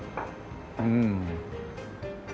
うん。